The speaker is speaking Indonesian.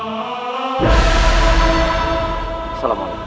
aku harus menyelamatkan ibu undang